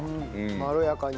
まろやかに。